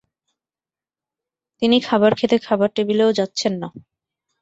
তিনি খাবার খেতে খাবার টেবিলেও যাচ্ছেন না।